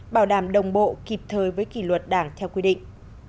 bảo đảm đồng bộ kịp thời với kỷ luật đảng theo quy định